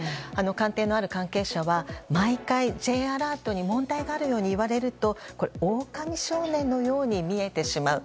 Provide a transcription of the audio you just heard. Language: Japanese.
官邸のある関係者は毎回、Ｊアラートに問題があるようにいわれるとオオカミ少年のように見えてしまう。